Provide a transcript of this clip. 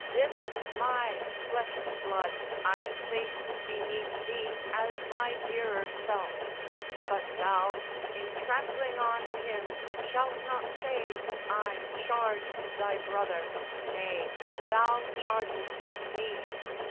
"This my flesh and blood I placed beneath thee as my dearer self! But thou, in trampling on him, shalt not say I charged thy brother. Nay, thou chargest me!